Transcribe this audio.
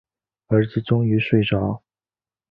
儿子终于睡着